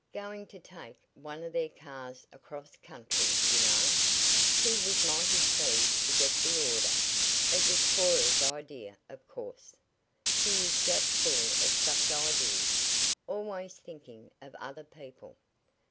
Going to take one of their cars across country, you know. He was mighty pleased to get the order. It was Cora's idea, of course. She is just full of such ideas always thinking of other people."